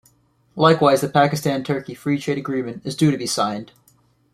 Likewise the Pakistan-Turkey Free Trade Agreement is due to be signed.